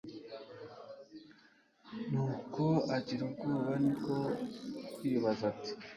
nuko agira ubwoba.niko kwibaza ati